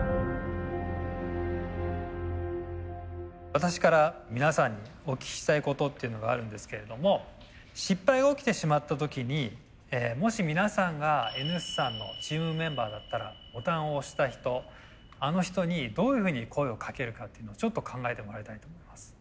私から皆さんにお聞きしたいことっていうのがあるんですけれども失敗が起きてしまった時にもし皆さんがＮ産のチームメンバーだったらボタンを押した人あの人にどういうふうに声をかけるかっていうのをちょっと考えてもらいたいと思います。